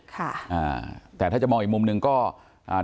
ค่ะอ่าแต่ถ้าจะมองอีกมุมหนึ่งก็อ่า